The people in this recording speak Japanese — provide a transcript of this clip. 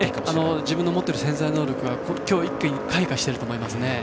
自分が持っている潜在能力が今日一気に開花していると思います。